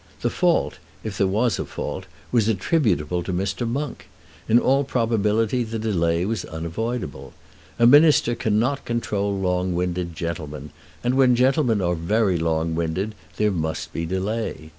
The fault, if there was a fault, was attributable to Mr. Monk. In all probability the delay was unavoidable. A minister cannot control long winded gentlemen, and when gentlemen are very long winded there must be delay.